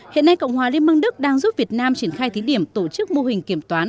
hiện nay cộng hòa liên bang đức đang giúp việt nam triển khai thí điểm tổ chức mô hình kiểm toán